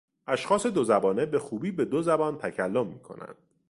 اشخاص دو زبانه به خوبی به دو زبان تکلم میکنند.